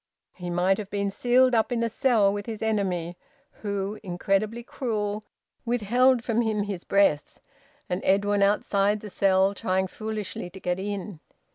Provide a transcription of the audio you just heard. He might have been sealed up in a cell with his enemy who, incredibly cruel, withheld from him his breath; and Edwin outside the cell trying foolishly to get in.